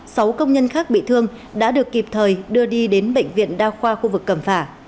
sáu công nhân khác bị thương đã được kịp thời đưa đi đến bệnh viện đa khoa khu vực cẩm phả